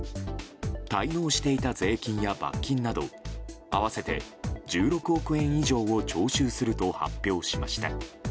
滞納していた税金や罰金など合わせて１６億円以上を徴収すると発表しました。